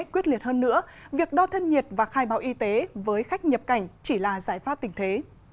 quyết liệt hơn nữa việc đo thân nhiệt và khai báo y tế với khách nhập cảnh chỉ là giải pháp tình thế